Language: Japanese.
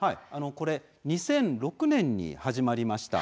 これ２００６年に始まりました。